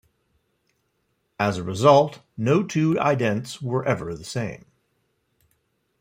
As a result, no two idents were ever the same.